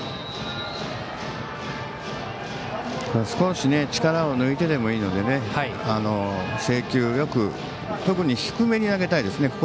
少し力を抜いてでもいいので制球よく特に低めに投げたいですね。